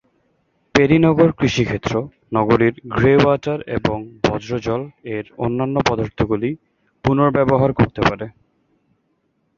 পেরি-নগর কৃষিক্ষেত্র, নগরীর grey water এবং বর্জ্য জল-এর অন্যান্য পদার্থগুলি পুনর্ব্যবহার করতে পারে।